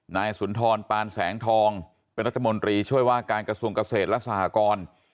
นายสุนทรปานแสงทองเป็นรัฐมนตรีช่วยว่าการกระทรวงเกษตรและสหกร